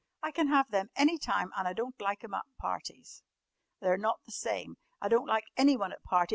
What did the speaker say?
"I can have them any time an' I don't like 'em at parties. They're not the same. I don't like anyone at parties.